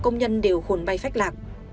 nhân đều khồn bay phách lạc